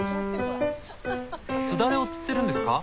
すだれをつってるんですか？